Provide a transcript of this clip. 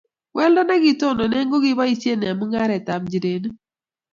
weldo nekitononen ko kiboisien eng' mung'aretab nchirenik